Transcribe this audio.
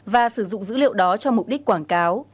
và sử dụng dữ liệu đó cho mục đích quảng cáo